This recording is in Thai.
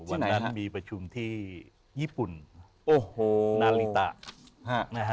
วันนั้นมีประชุมที่ญี่ปุ่น